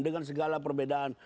dengan segala perbedaan